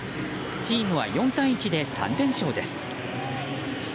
チームは４対１で３連勝です。